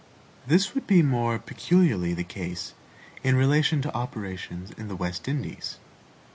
This would be more peculiarly the case in relation to operations in the West Indies.